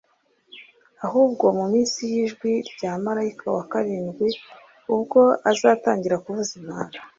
ahubwo mu minsi y’ijwi rya marayika wa karindwi ubwo azatangira kuvuza impanda,